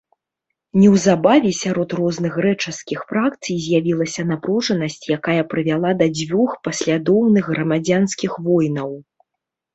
Неўзабаве сярод розных грэчаскіх фракцый з'явілася напружанасць, якая прывяла да дзвюх паслядоўных грамадзянскіх войнаў.